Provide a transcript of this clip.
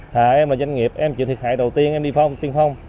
thà em là doanh nghiệp em chịu thiệt hại đầu tiên em đi phong tiên phong